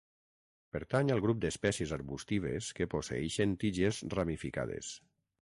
Pertany al grup d'espècies arbustives que posseeixen tiges ramificades.